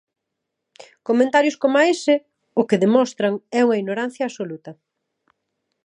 Comentarios coma ese o que demostran é unha ignorancia absoluta.